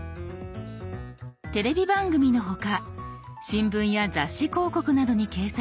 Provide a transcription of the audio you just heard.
テレビ番組の他新聞や雑誌広告などに掲載されている